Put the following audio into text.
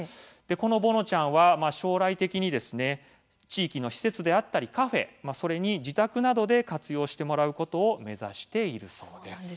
ぼのちゃんは将来的に地域の施設であったりカフェそれに自宅などで活用してもらうことを目指しているそうです。